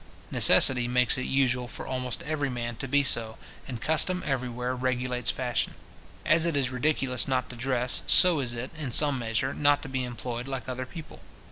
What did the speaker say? Necessity makes it usual for almost every man to be so, and custom everywhere regulates fashion. As it is ridiculous not to dress, so is it, in some measure, not to be employed like other people.